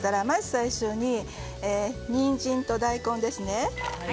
最初ににんじんと大根ですね。